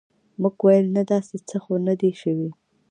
موږ ویل نه داسې څه خو نه دي شوي.